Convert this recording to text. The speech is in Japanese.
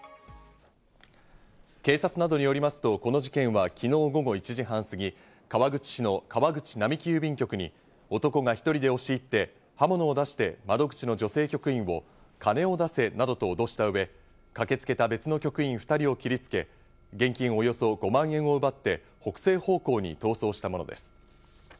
警察などによりますと、この事件は昨日午後１時半過ぎ、川口市の川口並木郵便局に男が１人で押し入って、刃物を出して窓口の女性局員を金を出せなどと脅したうえ、駆けつけた別の局員２人を切りつけ、現金およそ５万円を奪って、北西方向に逃走したものです。